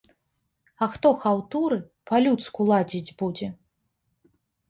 А хто хаўтуры па-людску ладзіць будзе?